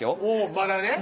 まだね